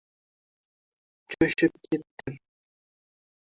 Jo‘shib ketdim.